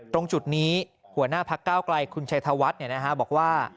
ตรงจุดนี้หัวหน้าพักเก้าไกลคุณชัยธวัฒน์บอกว่า